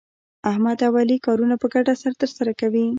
احمد او علي کارونه په ګډه سره ترسره کوي.